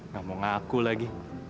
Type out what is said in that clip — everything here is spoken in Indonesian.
gak mau ngaku lagi